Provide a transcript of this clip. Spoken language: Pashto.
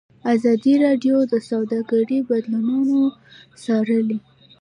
ازادي راډیو د سوداګري بدلونونه څارلي.